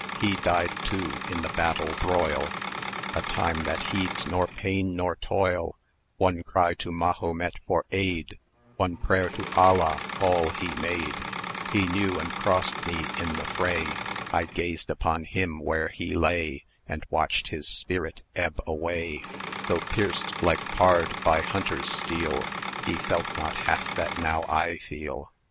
He died too in the battle broil, 1080 A time that heeds nor pain nor toil; One cry to Mahomet for aid, One prayer to Alla all he made: He knew and crossed me in the fray I gazed upon him where he lay, And watched his spirit ebb away: Though pierced like pard by hunter's steel, He felt not half that now I feel.